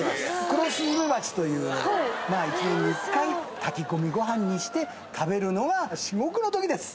クロスズメバチという１年に１回炊き込みご飯にして食べるのは至極の時です。